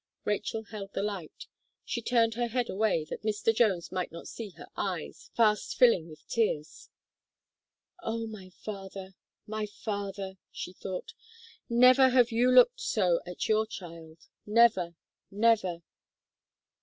Rachel held the light; she turned her head away, that Mr. Jones might not see her eyes, fest filling with tears. "Oh! my father my father!" she thought, "never have you looked so at your child never never!"